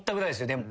でも。